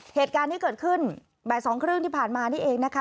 เหตุการณ์ที่เกิดขึ้นบ่ายสองครึ่งที่ผ่านมานี่เองนะคะ